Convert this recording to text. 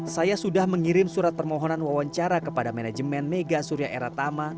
saya sudah mengirim surat permohonan wawancara kepada manajemen mega surya eratama